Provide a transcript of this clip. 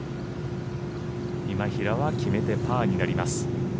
今平は決めてパーになります。